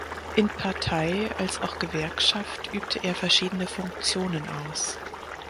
In Partei als auch Gewerkschaft übte er verschiedene Funktionen aus.